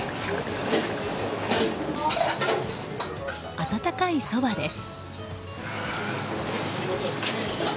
温かいそばです。